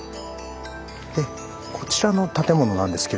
こちらの建物なんですけれども。